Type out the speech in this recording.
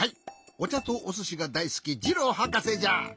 おちゃとおすしがだいすきジローはかせじゃ。